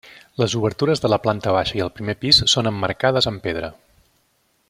Les obertures de la planta baixa i el primer pis són emmarcades amb pedra.